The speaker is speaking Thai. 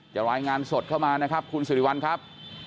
รายงานสดเข้ามานะครับคุณสิริวัลครับ